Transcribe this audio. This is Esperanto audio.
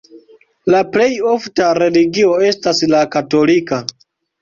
La plej ofta religio estas la katolika.